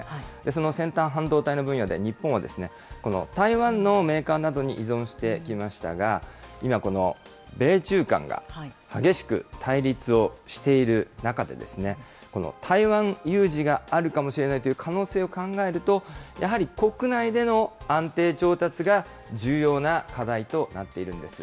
その先端半導体の分野で、日本は台湾のメーカーなどに依存してきましたが、今、この米中間が激しく対立をしている中で、台湾有事があるかもしれないという可能性を考えると、やはり国内での安定調達が重要な課題となっているんです。